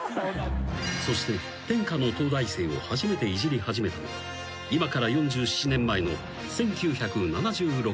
［そして天下の東大生を初めてイジり始めたのは今から４７年前の１９７６年］